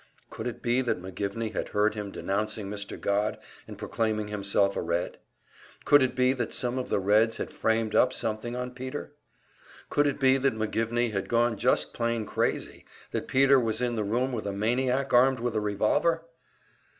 Could it be that McGivney had heard him denouncing Mr. Godd and proclaiming himself a Red? Could it be that some of the Reds had framed up something on Peter? Could it be that McGivney had gone just plain crazy; that Peter was in the room with a maniac armed with a revolver?